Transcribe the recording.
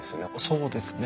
そうですね。